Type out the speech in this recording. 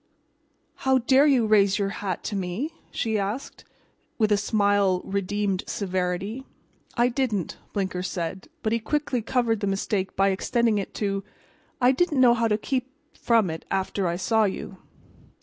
"How dare you raise your hat to me?" she asked, with a smile redeemed severity. "I didn't," Blinker said, but he quickly covered the mistake by extending it to "I didn't know how to keep from it after I saw you."